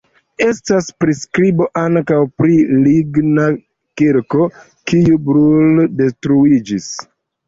Estas priskribo ankaŭ pri ligna kirko, kiu bruldetruiĝis.